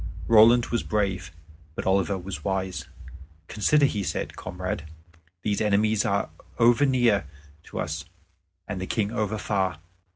Roland was brave, but Oliver was wise. "Consider," he said, "comrade. These enemies are over near to us, and the King over far.